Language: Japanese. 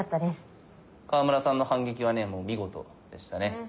川村さんの反撃はねもう見事でしたね。